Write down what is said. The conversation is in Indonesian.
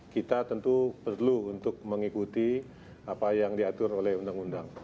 kita tentu perlu untuk mengikuti apa yang diatur oleh undang undang